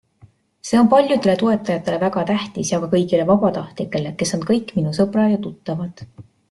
See on paljudele toetajatele väga tähtis ja ka kõigile vabatahtlikele, kes on kõik minu sõbrad ja tuttavad.